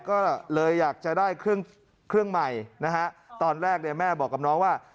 ก็เลยอยากจะได้เครื่องใหม่ตอนแรกแม่บอกกับน้องว่า